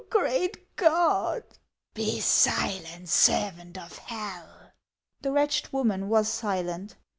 great God !"" Be silent, servant of hell !" The wretched woman was silent.